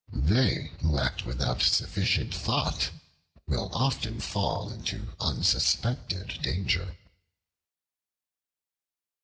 They who act without sufficient thought, will often fall into unsuspected danger.